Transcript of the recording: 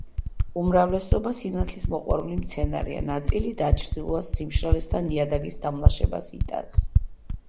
უმრავლესობა სინათლის მოყვარული მცენარეა, ნაწილი დაჩრდილვას, სიმშრალეს და ნიადაგის დამლაშებას იტანს.